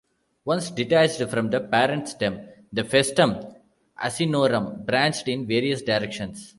Once detached from the parent stem, the "Festum Asinorum" branched in various directions.